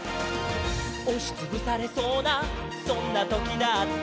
「おしつぶされそうなそんなときだって」